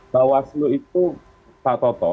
bawaslu itu pak toto